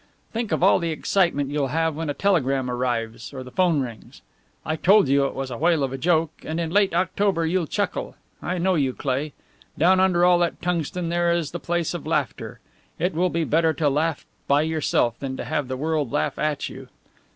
Think of all the excitement you'll have when a telegram arrives or the phone rings! I told you it was a whale of a joke; and in late October you'll chuckle. I know you, Cleigh. Down under all that tungsten there is the place of laughter. It will be better to laugh by yourself than to have the world laugh at you.